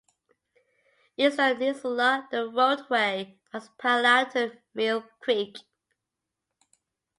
East of Nisula, the roadway runs parallel to Mill Creek.